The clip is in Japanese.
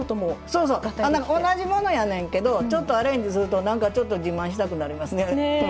そうそう同じものやねんけどちょっとアレンジするとなんかちょっと自慢したくなりますね。